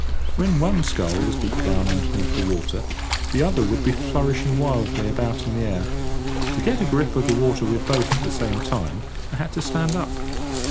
When one scull was deep down underneath the water, the other would be flourishing wildly about in the air. To get a grip of the water with both at the same time I had to stand up.